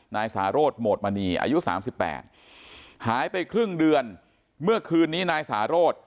นายสาโรธโหมดมณีอายุ๓๘หายไปครึ่งเดือนเมื่อคืนนี้นายสาโรธ